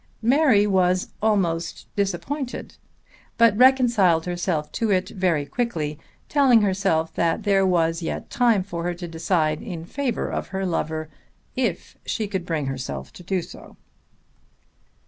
Mary was almost disappointed; but reconciled herself to it very quickly, telling herself that there was yet time for her to decide in favour of her lover if she could bring herself to do so.